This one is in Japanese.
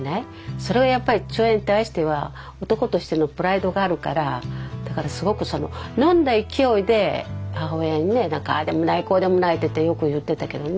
それをやっぱり父親に対しては男としてのプライドがあるからだからすごくその飲んだ勢いで母親にねなんか「ああでもないこうでもない」っていってよく言っていたけどね。